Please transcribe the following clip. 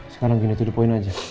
sekarang gini to the point aja